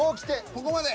ここまで。